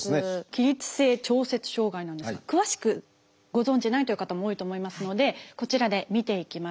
起立性調節障害なんですが詳しくご存じないという方も多いと思いますのでこちらで見ていきましょう。